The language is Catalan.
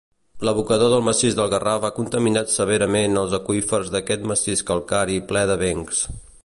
L'abocador del massís del Garraf ha contaminat severament els aqüífers d'aquest massís calcari ple d'avencs.